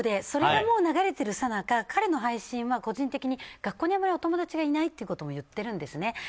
それが流れているさなか彼の配信は個人的に学校にお友達がいないということも言っているんですね。